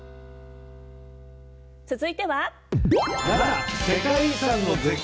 続いては。